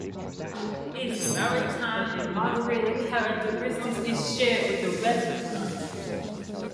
Its maritime and moderated characteristics is shared with the rest of the country.